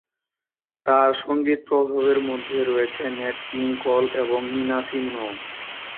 তার সঙ্গীত প্রভাবের মধ্যে রয়েছে ন্যাট কিং কোল এবং নিনা সিমোন।